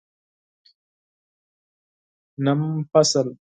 نهم فصل